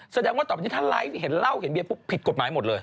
แสดงว่าต่อไปนี้ถ้าไลฟ์เห็นเหล้าเห็นเบียปุ๊บผิดกฎหมายหมดเลย